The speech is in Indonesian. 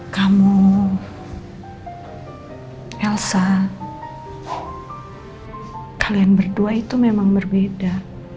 kamu elsa kalian berdua itu memang berbeda